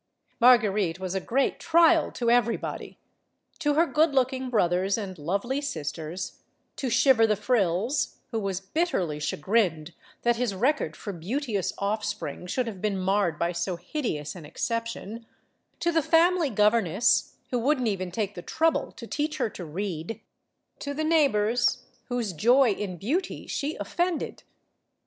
Marguerite was a great trial to everybody; to her good looking brothers and lovely sisters; to Shiver the Frills, who was bitterly chagrined that his record for beauteous offspring should have been marred by so hideous an exception; to the family governess, who wouldn't even take the trouble to teach her to read; to the neighbors, whose joy in beauty she offended.